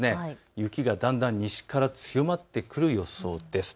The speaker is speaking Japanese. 雪がだんだんと西から強まってくる予想です。